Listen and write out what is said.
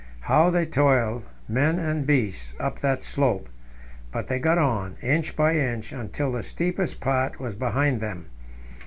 How they toiled, men and beasts, up that slope! But they got on, inch by inch, until the steepest part was behind them.